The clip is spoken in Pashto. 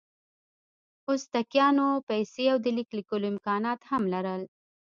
ازتکیانو پیسې او د لیک لیکلو امکانات هم لرل.